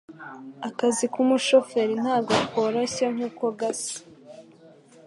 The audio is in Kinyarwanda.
Akazi k'umushoferi ntabwo koroshye nkuko gasa.